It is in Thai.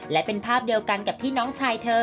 และเป็นภาพเดียวกันกับที่น้องชายเธอ